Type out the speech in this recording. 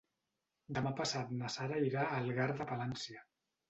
Demà passat na Sara irà a Algar de Palància.